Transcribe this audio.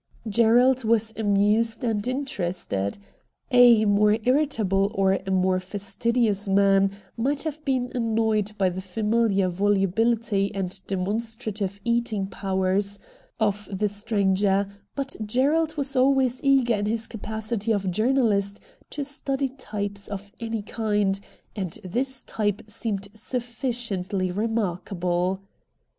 Gerald was amused and interested. A more irritable or a more fastidious man might have been annoyed by the familiar volubility and demonstrative eating powers of the D 2 36 RED DIAMONDS stranger, but Gerald was always eager in his capacity of journalist to study types of any kind, and this type seemed sufficiently re markable.